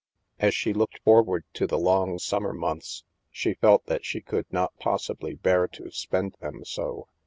As she looked forward to the long summer months, she felt that she could not possibly bear to spend them so.